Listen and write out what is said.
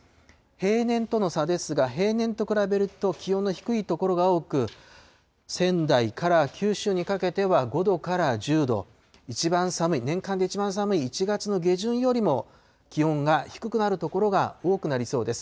平年との差ですが、平年と比べると気温の低い所が多く、仙台から九州にかけては５度から１０度、一番寒い、年間で一番寒い１月の下旬よりも気温が低くなる所が多くなりそうです。